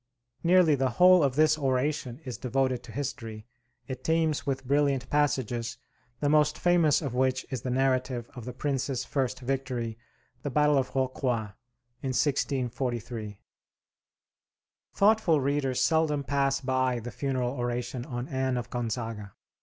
Nearly the whole of this oration is devoted to history; it teems with brilliant passages, the most famous of which is the narrative of the Prince's first victory, the battle of Rocroi, in 1643. Thoughtful readers seldom pass by the funeral oration on Anne of Gonzaga.